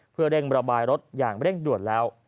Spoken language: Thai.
เพื่อเร่งระบายรถอย่างเร่งด่วนแล้ว